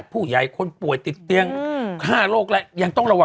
คุณผู้ชมขายังจริงท่านออกมาบอกว่า